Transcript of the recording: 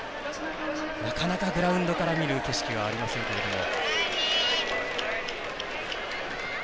なかなか、グラウンドから見る景色はありませんけれども。